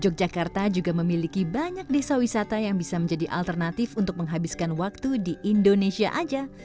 yogyakarta juga memiliki banyak desa wisata yang bisa menjadi alternatif untuk menghabiskan waktu di indonesia aja